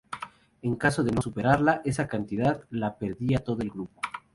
En caso de no superarla, esa cantidad la perdía todo el grupo.